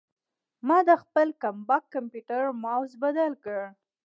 ما د خپل کمپاک کمپیوټر ماؤس بدل کړ.